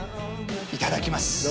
いただきます。